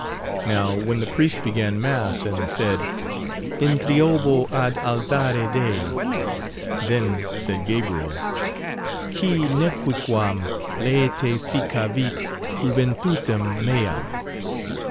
Now when the priest began Mass and said "Intriobo ad altare Dei," then said Gabriel "Qui nequiquam laetificavit juventutem meam."